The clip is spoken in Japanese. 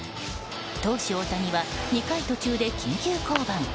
投手・大谷は２回途中で緊急降板。